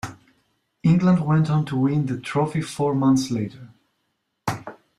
England went on to win the trophy four months later.